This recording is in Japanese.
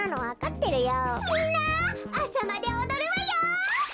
あさまでおどるわよ！